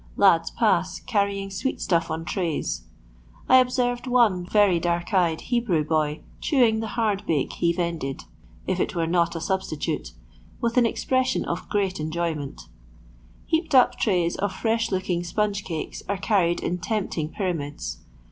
Lads pass, carry ing sweet stuff on trays. I observed one very dark eyed Hebrew boy chewing the hard bake he vended — if it were not a substitute — with an ex pression of great enjoyment Heaped up trays of fresh looking sponge cakes are carried in tempt ing pyramids.